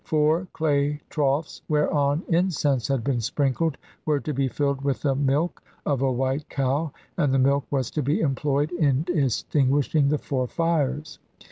Four clay troughs, whereon incense had been sprinkled, were to be filled with the milk of a white cow, and the milk was to be employed in extinguishing the four fires.